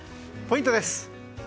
ポイントです。